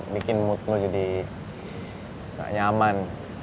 bikin mood lu jadi gak nyaman